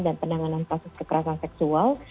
dan penanganan kasus kekerasan seksual